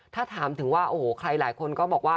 ถ้าถามถึงว่าโอ้โหใครหลายคนก็บอกว่า